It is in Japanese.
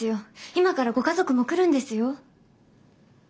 今からご家族も来るんですよ。